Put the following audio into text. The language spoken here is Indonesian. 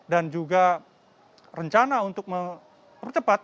dan juga rencana untuk mempercepat